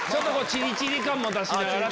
チリチリ感も出しながら。